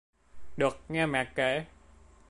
Được nghe mẹ kể